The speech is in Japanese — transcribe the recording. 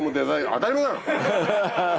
当たり前だろ！